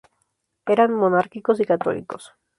Eran monárquicos y católicos.